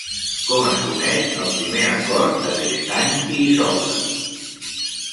Com es coneix el primer acord de Tristany i Isolda?